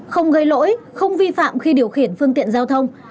không gây lỗi không vi phạm khi điều khiển phương tiện giao thông